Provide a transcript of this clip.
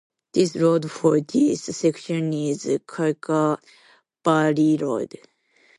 This Road for this section is Carcar–Barili Road.